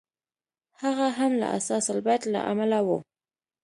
هغه هم له اثاث البیت له امله و.